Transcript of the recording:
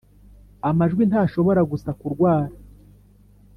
amajwi ntashobora gusa kurwara.